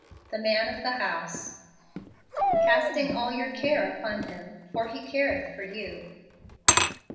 The Man of the House. " Casting all your care upon him; for he careth for you."